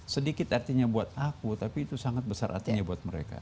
sedikit artinya buat aku tapi itu sangat besar artinya buat mereka